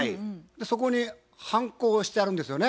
そこにハンコ押してあるんですよね？